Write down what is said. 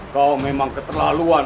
kau memang keterlaluan